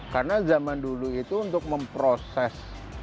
karena zaman dulu itu untuk memproses